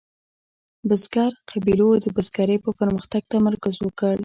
بزګرو قبیلو د بزګرۍ په پرمختګ تمرکز وکړ.